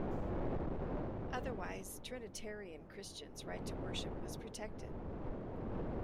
Otherwise, Trinitarian Christians' right to worship was protected.